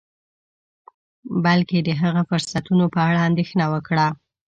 بلکې د هغه فرصتونو په اړه اندیښنه وکړه